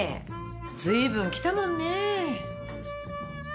随分着たもんねぇ。